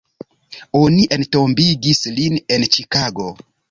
Oni entombigis lin en Ĉikago.